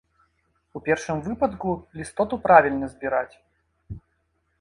У першым выпадку лістоту правільна збіраць.